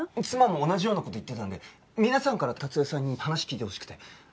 妻も同じような事言ってたんで皆さんから達代さんに話聞いてほしくて。